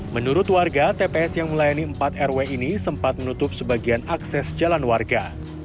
menurut warga tps yang melayani empat rw ini sempat menutup sebagian akses jalan warga